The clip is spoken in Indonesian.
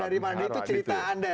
dari mana itu cerita anda